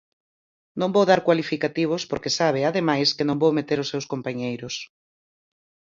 Non vou dar cualificativos, porque sabe, ademais, que non vou meter os seus compañeiros.